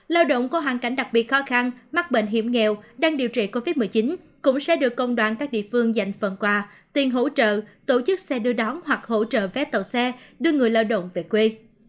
lao động có hoàn cảnh đặc biệt khó khăn mắc bệnh hiểm nghèo đang điều trị covid một mươi chín cũng sẽ được công đoàn các địa phương dành phần quà tiền hỗ trợ tổ chức xe đưa đón hoặc hỗ trợ vé tàu xe đưa người lao động về quê